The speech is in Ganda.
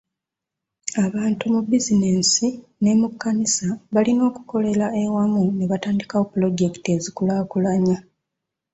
Abantu mu bizinensi ne mu kkanisa balina okukolera ewamu ne batandikawo pulojekiti ezikulaakulanya.